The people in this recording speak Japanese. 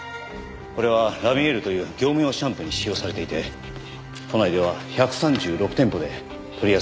これはラミエールという業務用シャンプーに使用されていて都内では１３６店舗で取り扱いがあります。